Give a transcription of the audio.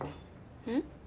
うん？